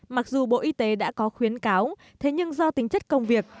mặc dù bộ y tế đã có khuyến cáo thế nhưng do tính chất công việc